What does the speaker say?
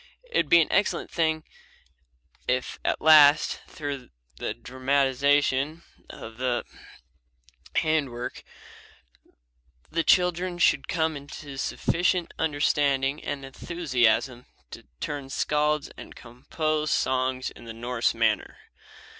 It would be an excellent thing if at last, through the dramatization and the handwork, the children should come into sufficient understanding and enthusiasm to turn skalds and compose songs in the Norse manner.